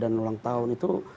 dan ulang tahun itu